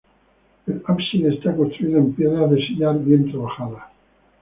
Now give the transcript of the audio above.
El ábside está construido en piedra de sillar bien trabajada.